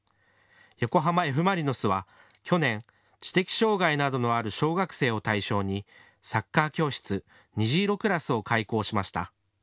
横浜Ｆ・マリノスは去年、知的障害などのある小学生を対象にサッカー教室、にじいろくらすを開講しました。